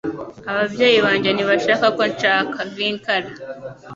Ababyeyi banjye ntibashaka ko nshaka. (vinkara)